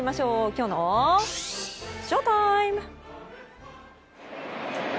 きょうのＳＨＯＴＩＭＥ。